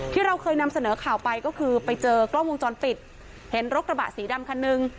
ที่เราเคยนำเสนอข่าวไปก็คือไปเจอกล้องวงจรปิดเห็นรถกระบะสีดำคันนึง